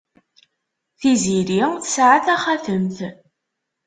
Tiziri tesɛa taxatemt.